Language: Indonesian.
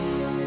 di laik head